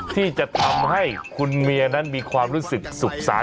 ที่จะทำให้คุณเมียนั้นมีความรู้สึกสุขสาร